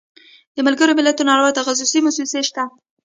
د ملګرو ملتونو اړوند تخصصي موسسې شته.